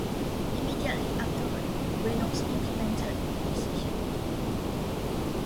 Immediately afterward, Reynolds implemented the decision.